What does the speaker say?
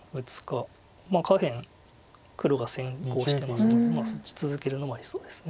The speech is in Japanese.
下辺黒が先行してますのでそっち続けるのもありそうです。